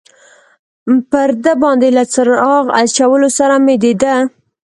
پر ده باندې له څراغ اچولو سره مې د ده.